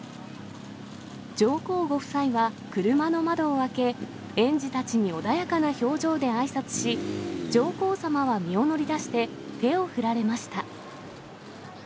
上皇ご夫妻は車の窓を開け、園児たちに穏やかな表情であいさつし、上皇さまは身を乗り出して手を振られました。